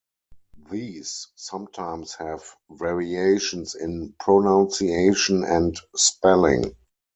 These sometimes have variations in pronunciation and spelling.